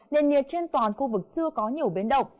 nền nhiệt trên toàn khu vực chưa có nhiều biến động